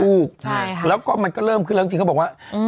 ถูกใช่ค่ะแล้วก็มันก็เริ่มขึ้นแล้วจริงเขาบอกว่า